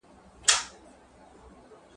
شاوخوا یې ترې را تاوکړله خطونه ,